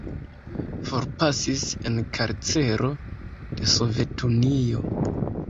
Forpasis en karcero de Sovetunio.